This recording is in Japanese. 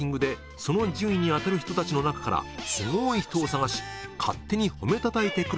その順位に当たる人たちの中からスゴイ人を探し勝手に褒めたたえて来る